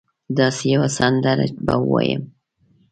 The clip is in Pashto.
داسي یوه سندره به ووایم